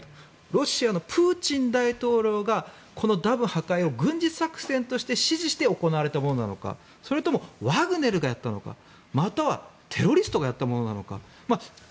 ロシアのプーチン大統領がこのダム破壊を軍事作戦として指示して行われたものなのかそれとも、ワグネルがやったのかまたはテロリストがやったものなのか。